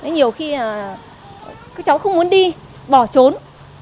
nhiều khi các cháu không muốn đi bỏ trốn